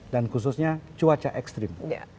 dan khususnya cuaca ekstrim